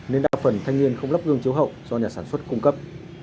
nên đa phần thanh niên không lắp gương chiếu hậu do nhà sản xuất cung cấp